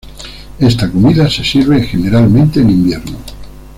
Esta comida se sirve generalmente en invierno.